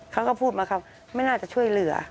เขาก็พูดมาครับไม่น่าจะช่วยเหลือ